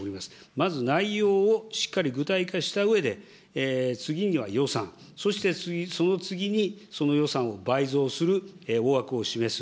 まず内容をしっかり具体化したうえで、次には予算、そしてその次にその予算を倍増する大枠を示す。